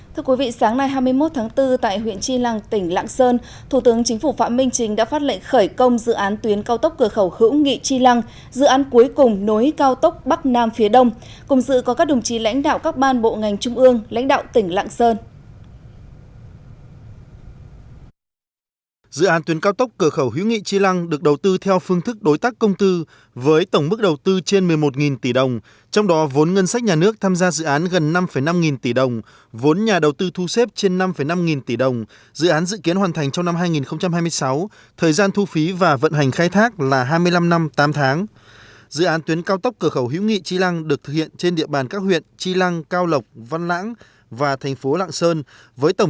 thưa quý vị sáng nay hai mươi một tháng bốn tại huyện chi lăng tỉnh lạng sơn thủ tướng chính phủ phạm minh trình đã phát lệnh khởi công dự án tuyến cao tốc cửa khẩu hữu nghị chi lăng dự án cuối cùng nối cao tốc bắc nam phía đông cùng dự có các đồng chí lãnh đạo các ban bộ ngành trung ương lãnh đạo tỉnh lạng sơn